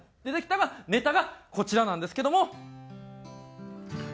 できたのがネタがこちらなんですけども。